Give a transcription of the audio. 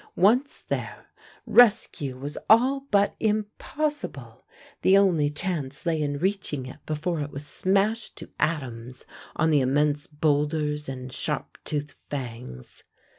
Once there, rescue was all but impossible; the only chance lay in reaching it before it was smashed to atoms on the immense boulders and sharp toothed fangs.